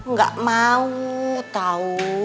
nggak mau tau